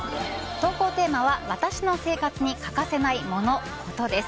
投稿テーマは私の生活に欠かせないモノ・コトです。